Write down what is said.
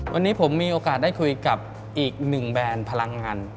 วันนี้ผมมีโอกาสได้คุยกับอีกหนึ่งแบรนด์พลังงาน